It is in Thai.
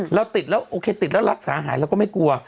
เราติดแล้วโอเคติดแล้วรักษาหายเราก็ไม่กลัว